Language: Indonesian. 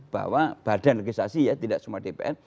bahwa badan legislasi ya tidak semua dpr